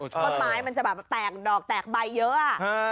ต้นไม้มันจะแบบแตกดอกแตกใบเยอะ